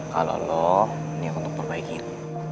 kalau lo ini untuk perbaikin